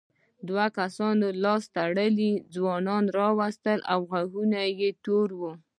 دوو کسانو لاس تړلی ځوان راووست غوږونه یې تور وو.